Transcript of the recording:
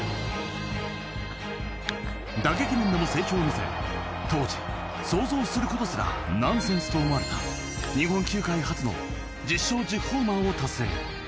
打撃でも成長を見せ当時、想像することすらナンセンスと思われた日本球界初の１０勝１０ホーマーを達成。